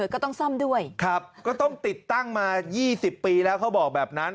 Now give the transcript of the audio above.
ก็ต้องซ่อมด้วยครับก็ต้องติดตั้งมา๒๐ปีแล้วเขาบอกแบบนั้น